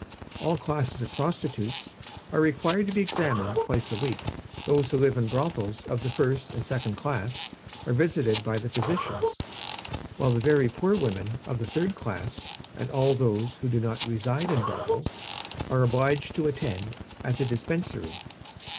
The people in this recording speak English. All classes of prostitutes are required to be examined twice a week; those who live in brothels of the first and second class are visited by the physicians, while the very poor women of the third class, and all those who do not reside in brothels, are obliged to attend at the Dispensary.